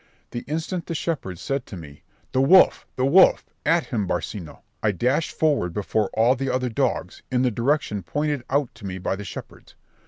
The instant the shepherds said to me, "The wolf! the wolf! at him, Barcino," I dashed forward before all the other dogs, in the direction pointed out to me by the shepherds.